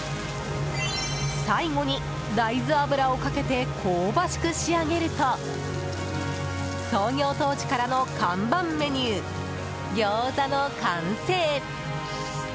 最後に、大豆油をかけて香ばしく仕上げると創業当時からの看板メニューギョーザの完成。